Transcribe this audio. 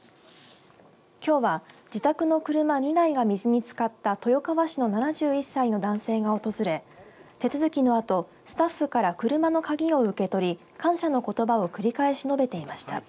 きょうは自宅の車２台が水につかった豊川市の７１歳の男性が訪れ手続きのあとスタッフから車の鍵を受け取り感謝のことばを繰り返し述べていました。